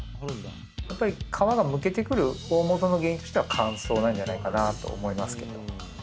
やっぱり皮がむけてくる大本の原因としては乾燥なんじゃないかなと思います。